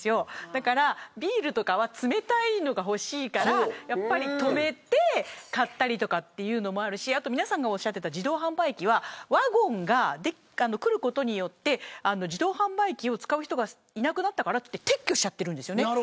だからビールとかは冷たいのが欲しいから止めて買ったりとかいうのもあるし自動販売機はワゴンが来ることによって自動販売機を使う人がいなくなったからって撤去しちゃってるんです。